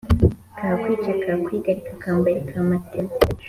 Kakwica kakwigarika akambari ka Matene.